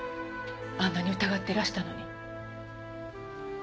あんなに疑っていらしたのに。